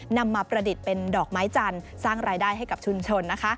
นำมาประดิษฐ์เป็นดอกไม้จันทร์สร้างรายได้ให้กับชุมชนนะคะ